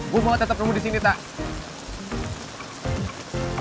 gue mau tetep rumah disini tak